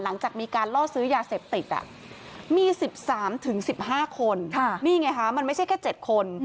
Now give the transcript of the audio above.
หลังจากมีการล่อซื้อยาเสพติดมี๑๓๑๕คนนี่ไงคะมันไม่ใช่แค่๗คน